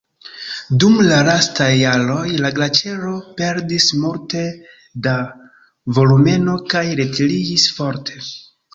Dum la lastaj jaroj la glaĉero perdis multe da volumeno kaj retiriĝis forte.